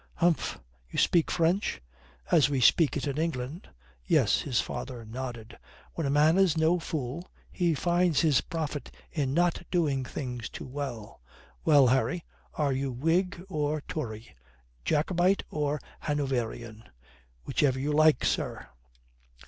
"Humph. You speak French?" "As we speak it in England." "Yes." His father nodded. "When a man is no fool, he finds his profit in not doing things too well. Well, Harry, are you Whig or Tory Jacobite or Hanoverian?" "Whichever you like, sir."